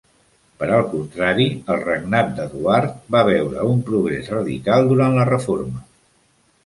Per al contrari, el regnat d'Eduard va veure un progrés radical durant la Reforma.